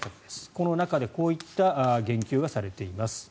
この中でこういった言及がされています。